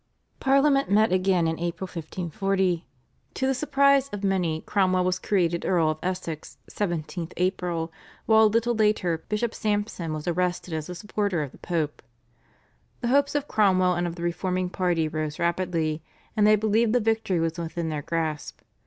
Parliament met again in April 1540. To the surprise of many Cromwell was created Earl of Essex (17th April), while a little later Bishop Sampson was arrested as a supporter of the Pope. The hopes of Cromwell and of the reforming party rose rapidly, and they believed that victory was within their grasp.